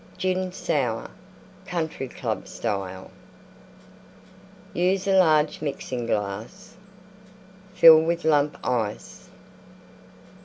GIN SOUR Country Club Style Use a large Mixing glass. Fill with Lump Ice.